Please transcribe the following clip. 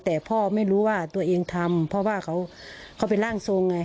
แต่พ่อไม่รู้ว่าตัวเองทำเพราะว่าเขาเป็นร่างทรงไง